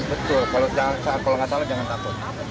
betul kalau nggak salah jangan takut